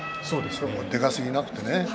でか過ぎなくてね。